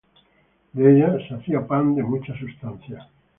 De ella, se hacía pan de mucha sustancia.